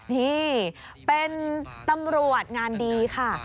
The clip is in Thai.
นี่เป็นตำรวจงานดีค่ะ